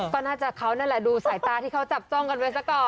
ก็น่าจะเขานั่นแหละดูสายตาที่เขาจับจ้องกันไว้ซะก่อน